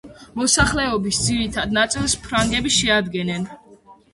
მოსახლეობის ძირითად ნაწილს ფრანგები შეადგენენ.